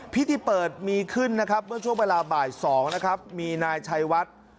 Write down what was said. พิธีเปิดมีขึ้นนะครับเมื่อช่วงเวลาบ่าย๒นะครับมีนายชัยวัด